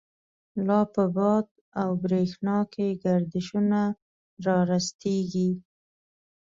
لا په باد او برَښنا کی، گردشونه را رستیږی